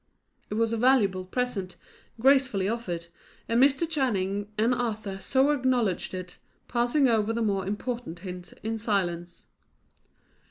It was a valuable present gracefully offered, and Mr. Channing and Arthur so acknowledged it, passing over the more important hint in silence.